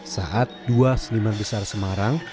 saat dua seniman besar semarang